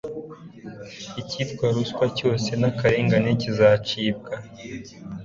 icyitwa ruswa cyose n'akarengane bizacibwa